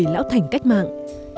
một mươi lão thành cách mạng